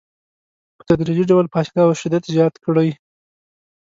په تدریجي ډول فاصله او شدت زیات کړئ.